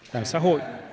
đảng xã hội